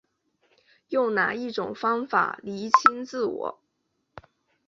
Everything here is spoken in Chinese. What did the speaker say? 用哪一种方法厘清自我